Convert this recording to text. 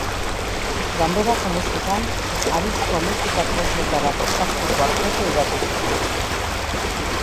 Ganberako musikan, harizko musika-tresnetarako zazpi kuarteto idatzi zituen.